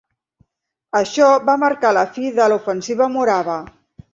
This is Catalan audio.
Això va marcar la fi de l'ofensiva Morava.